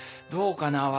「どうかな？